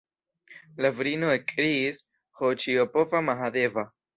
La virino ekkriis: Ho, ĉiopova Mahadeva!